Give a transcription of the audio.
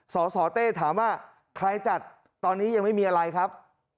สสเต้ถามว่าใครจัดตอนนี้ยังไม่มีอะไรครับ